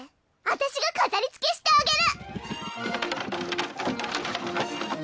私が飾りつけしてあげる！